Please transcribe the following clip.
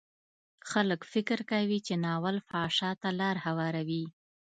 خلک فکر کوي چې ناول فحشا ته لار هواروي.